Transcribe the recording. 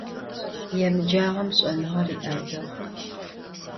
Yêmıcağem ş'enığer yi'ezeğu.